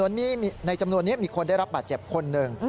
ในจำนวนนี้มีคนได้รับบาดเจ็บคนหนึ่ง